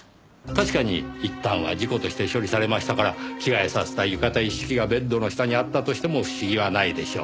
確かにいったんは事故として処理されましたから着替えさせた浴衣一式がベッドの下にあったとしても不思議はないでしょう。